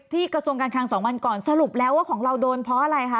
กระทรวงการคลัง๒วันก่อนสรุปแล้วว่าของเราโดนเพราะอะไรคะ